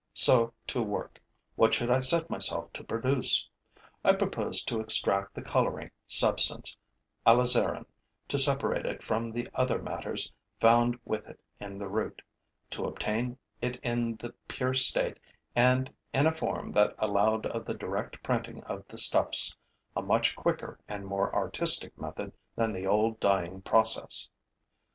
So to work. What should I set myself to produce? I proposed to extract the coloring substance, alizarin, to separate it from the other matters found with it in the root, to obtain it in the pure state and in a form that allowed of the direct printing of the stuffs, a much quicker and more artistic method than the old dyeing process.